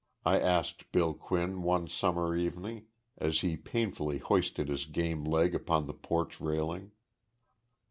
I asked Bill Quinn one summer evening as he painfully hoisted his game leg upon the porch railing.